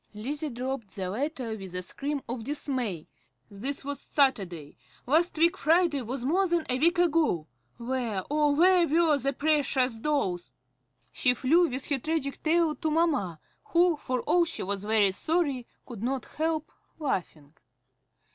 Lizzie dropped the letter with a scream of dismay. This was Saturday. Last week Friday was more than a week ago. Where, oh, where were the precious dolls? She flew with her tragic tale to mamma, who, for all she was very sorry, could not help laughing.